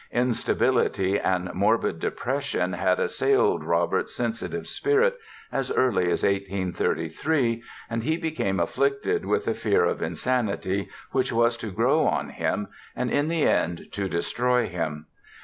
Instability and morbid depression had assailed Robert's sensitive spirit as early as 1833 and he became afflicted with a fear of insanity which was to grow on him and, in the end, to destroy him.